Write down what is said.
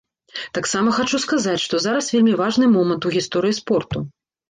Таксама хачу сказаць, што зараз вельмі важны момант у гісторыі спорту.